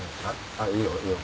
あっいいよいいよ。